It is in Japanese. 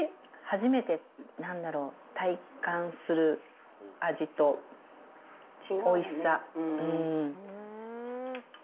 初めて、なんだろう、体感する味とおいしさ。